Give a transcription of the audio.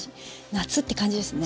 夏って感じですね。